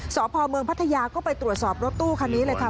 สพเมืองพัทยาก็ไปตรวจสอบรถตู้คันนี้เลยค่ะ